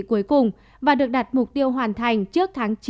cuối cùng và được đặt mục tiêu hoàn thành trước tháng chín